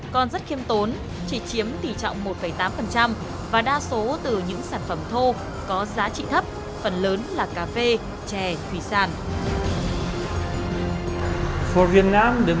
còn rất khiêm tốn chỉ chiếm tỷ trọng một tám và đa số từ những sản phẩm thô có giá trị thấp phần lớn là cà phê chè thủy sản